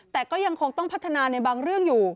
แต่ก็ยังคงต้องพัฒนาในบางเรื่องอยู่